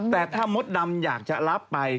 แต่ถ้ามดดำอยากจะรับไป